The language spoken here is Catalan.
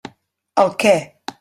El què?